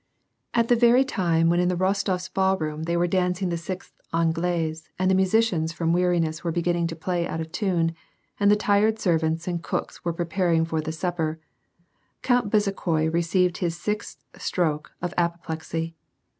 At the very time when in the Rostof s ballroom they were dancing the sixth ^^Anglaise,^ and the musicians from weariness were beginning to play out of tune, and the tired servants and cooks were preparing^ for the supper. Count Bezukhoi received his sixth stroke of apoplexy.